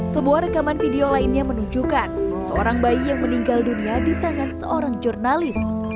sebuah rekaman video lainnya menunjukkan seorang bayi yang meninggal dunia di tangan seorang jurnalis